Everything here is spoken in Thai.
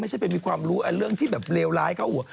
ไม่ใช่ไปมีความรู้เรื่องที่แบบเลวร้ายเข้าหัว